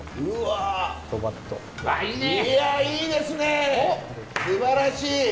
すばらしい！